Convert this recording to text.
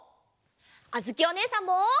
あづきおねえさんも。